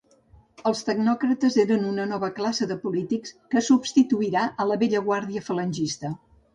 Els tecnòcrates eren una nova classe de polítics que substituirà a la vella guàrdia falangista.